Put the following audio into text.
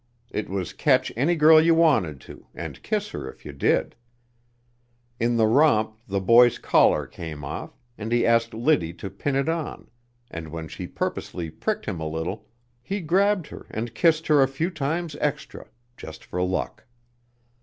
It was catch any girl you wanted to, and kiss her if you did. In the romp the boy's collar came off, and he asked Liddy to pin it on, and when she purposely pricked him a little, he grabbed her and kissed her a few times extra, just for luck.